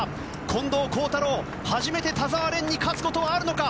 近藤幸太郎、初めて田澤廉に勝つことはあるのか。